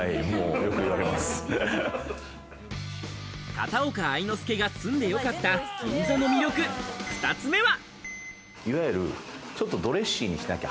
片岡愛之助が住んでよかった銀座の魅力、２つ目は。